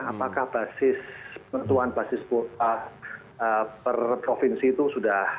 apakah basis penentuan basis per provinsi itu sudah